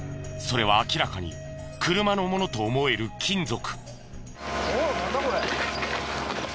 それは明らかに車のものと思える金属。